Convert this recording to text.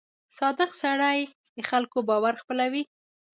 • صادق سړی د خلکو باور خپلوي.